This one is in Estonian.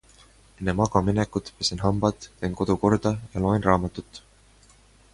Enne magama minekut pesen hambad, teen kodu korda ja loen raamatut.